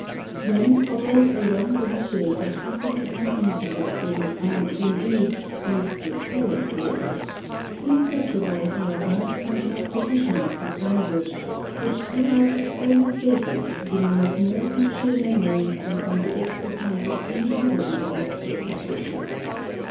Then followed a long novitiate of utterly uninteresting and, indeed, most repellent labour, inseparable, however, from the acquisition of this language, which throughout its early stages demands more from sheer memory than from the exercise of any other intellectual faculty.